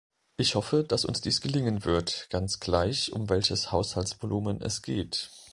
Ich hoffe, dass uns dies gelingen wird, ganz gleich, um welches Haushaltsvolumen es geht.